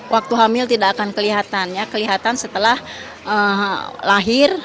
waktu hamil tidak akan kelihatan ya kelihatan setelah lahir